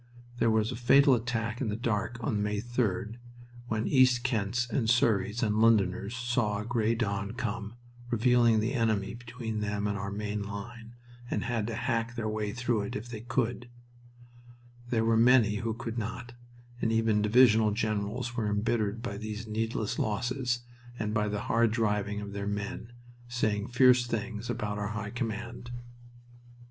There was a fatal attack in the dark on May 3d, when East Kents and Surreys and Londoners saw a gray dawn come, revealing the enemy between them and our main line, and had to hack their way through if they could, There were many who could not, and even divisional generals were embittered by these needless losses and by the hard driving of their men, saying fierce things about our High Command.